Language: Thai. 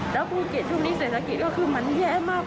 แล้วภูเก็ตช่วงนี้เศรษฐกิจก็คือมันแย่มาก